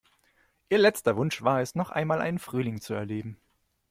Ihr letzter Wunsch war es, noch einmal einen Frühling zu erleben.